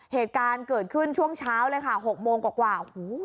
เหตุการณ์เกิดขึ้นช่วงเช้าเลยค่ะ๖โมงกว่า